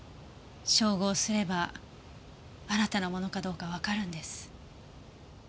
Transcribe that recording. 照合すればあなたのものかどうかわかるんです。